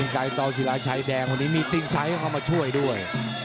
ไก่ต่อศิลาชัยแดงวันนี้มีติ้งไซส์เข้ามาช่วยด้วย